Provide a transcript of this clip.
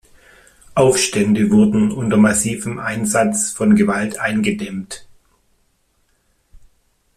Aufstände wurden unter massivem Einsatz von Gewalt eingedämmt.